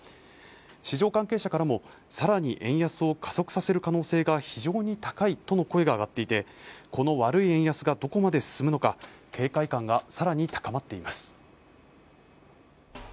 市場関係者からも、更に円安を加速させる可能性が非常に高いとの声が上がっていてこの悪い円安がどこまで進むのか警戒感が更に高まっています。